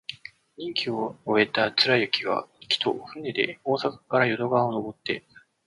任期を終えた貫之は、帰途、船で大阪から淀川をのぼって、